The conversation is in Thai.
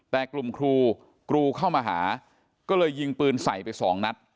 แต่กลุ่มครูกรูเข้ามาหาก็เลยยิงปืนใส่ไปสองนัด